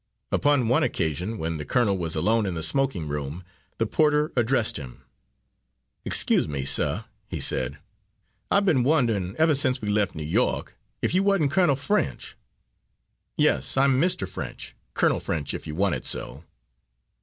Upon one occasion, when the colonel was alone in the smoking room, the porter addressed him. "Excuse me, suh," he said, "I've been wondering ever since we left New York, if you wa'n't Colonel French?" "Yes, I'm Mr. French Colonel French, if you want it so."